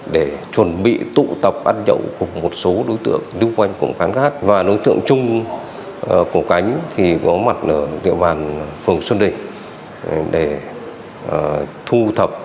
để tiến hành triển khai lực lượng bắt giữ